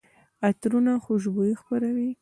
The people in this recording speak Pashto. عطرونه خوشبويي خپروي.